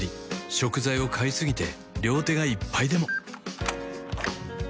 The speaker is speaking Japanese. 食材を買いすぎて両手がいっぱいでも